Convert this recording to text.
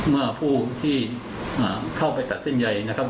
เมื่อผู้ที่เข้าไปตัดเส้นใยนะครับ